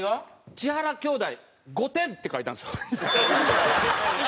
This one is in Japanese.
「千原兄弟５点」って書いたんですよ。